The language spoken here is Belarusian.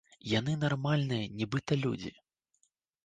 Яны нармальныя нібыта людзі.